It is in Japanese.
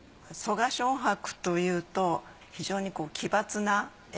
曾我蕭白というと非常に奇抜な絵。